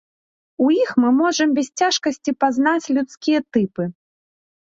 У іх мы можам без цяжкасці пазнаць людскія тыпы.